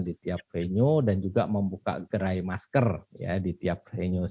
di tiap venue dan juga membuka gerai masker ya di tiap venue